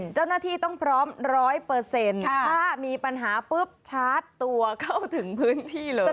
เจ้าหน้าที่ต้องพร้อม๑๐๐ถ้ามีปัญหาปุ๊บชาร์จตัวเข้าถึงพื้นที่เลย